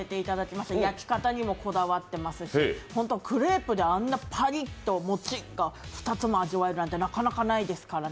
焼き方にもこだわっていますしクレープでパリッとモチっが２つも味わえるなんてなかなかないですからね。